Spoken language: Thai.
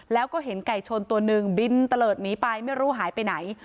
แล้วก็เห็นไก่ชนตัวหนึ่งบินตะเลิศหนีไปไม่รู้หายไปไหน